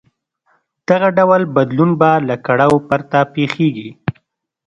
دغه ډول بدلون به له کړاو پرته پېښېږي.